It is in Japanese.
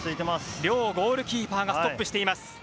両ゴールキーパーがストップしています。